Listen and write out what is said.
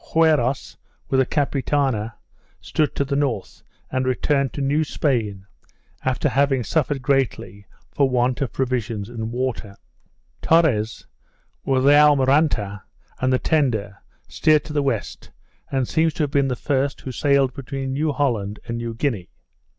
Quiros, with the Capitana, stood to the north, and returned to New Spain, after having suffered greatly for want of provisions and water. Torres, with the Almiranta and the tender, steered to the west, and seems to have been the first who sailed between New Holland and New Guinea.